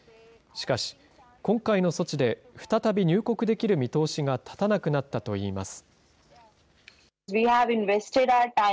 しかし、今回の措置で再び入国できる見通しが立たなくなったといいます。